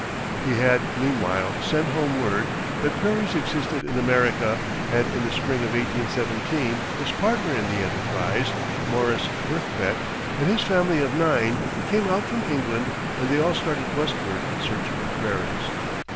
He had, meanwhile, sent home word that prairies existed in America, and in the spring of 1817 his partner in the enterprise, Morris Birkbeck, and his family of nine, came out from England, and they all started westward in search of the prairies.